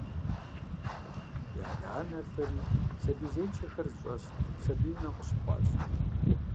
И адэ-анэр лӏэри сабий зеиншэхэр здыщӏэс «сабий унэм» къыщыхъуащ.